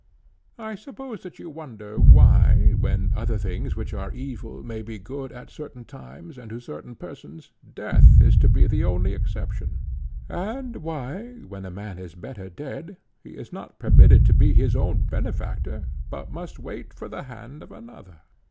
I suppose that you wonder why, when other things which are evil may be good at certain times and to certain persons, death is to be the only exception, and why, when a man is better dead, he is not permitted to be his own benefactor, but must wait for the hand of another.